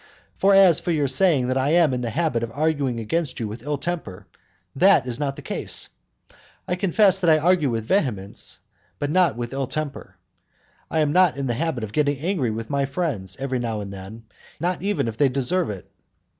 For as for your saying that I am in the habit of arguing against you with ill temper, that is not the case. I confess that I argue with vehemence, but not with ill temper. I am not in the habit of getting angry with my friends every now and then, not even if they deserve it.